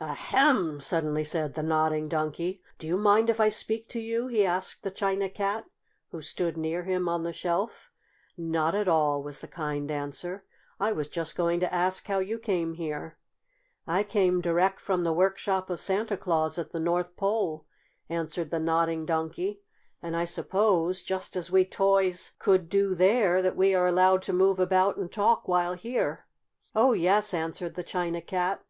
"Ahem!" suddenly said the Nodding Donkey. "Do you mind if I speak to you?" he asked the China Cat, who stood near him on the shelf. "Not at all," was the kind answer. "I was just going to ask how you came here." "I came direct from the workshop of Santa Claus at the North Pole," answered the Nodding Donkey. "And I suppose, just as we toys could do there, that we are allowed to move about and talk while here." "Oh, yes," answered the China Cat.